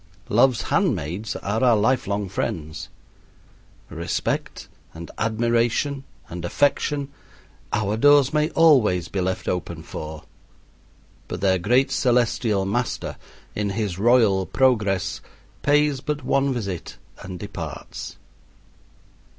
Love's handmaids are our life long friends. Respect, and admiration, and affection, our doors may always be left open for, but their great celestial master, in his royal progress, pays but one visit and departs.